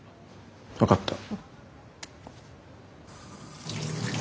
分かった。